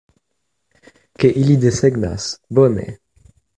Ke ili desegnas, bone.